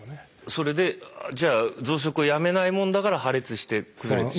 それでじゃあ増殖をやめないもんだから破裂して崩れてしまう？